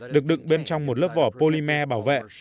được đựng bên trong một lớp vỏ polymer bảo vệ